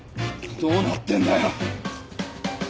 どうなってんだよ！